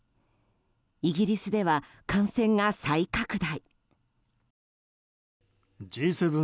イギリスでは感染が再拡大。